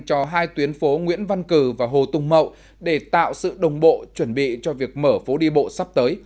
cho hai tuyến phố nguyễn văn cử và hồ tùng mậu để tạo sự đồng bộ chuẩn bị cho việc mở phố đi bộ sắp tới